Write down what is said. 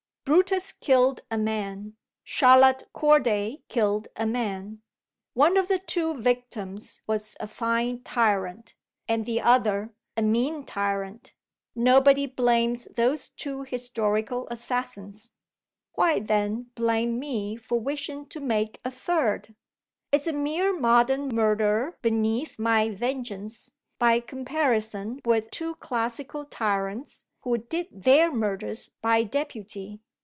Brutus killed a man; Charlotte Corday killed a man. One of the two victims was a fine tyrant, and the other a mean tyrant. Nobody blames those two historical assassins. Why then blame me for wishing to make a third? Is a mere modern murderer beneath my vengeance, by comparison with two classical tyrants who did their murders by deputy?